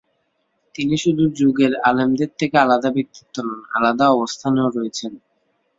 তিনি শুধু যুগের আলেমদের থেকে আলাদা ব্যক্তিত্ব নন, আলাদা অবস্থানেও রয়েছেন।